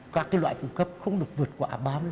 các cái loại phụ cấp không được vượt qua ba mươi